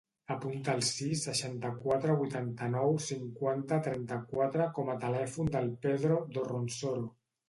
Apunta el sis, seixanta-quatre, vuitanta-nou, cinquanta, trenta-quatre com a telèfon del Pedro Dorronsoro.